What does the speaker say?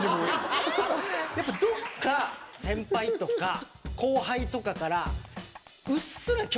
やっぱどっか先輩とか後輩とかから。